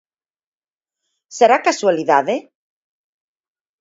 ¿Será casualidade?